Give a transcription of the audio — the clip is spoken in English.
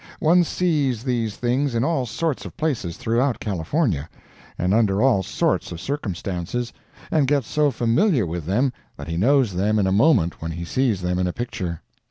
One sees these things in all sorts of places throughout California, and under all sorts of circumstances, and gets so familiar with them that he knows them in a moment when he sees them in a picture.